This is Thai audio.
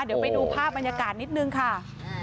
เดี๋ยวไปดูภาพบรรยากาศนิดนึงค่ะ